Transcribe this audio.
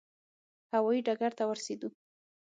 هوا یي ډګر ته ورسېدو.